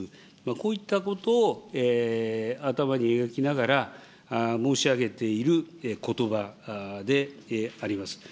こういったことを頭に描きながら申し上げていることばであります。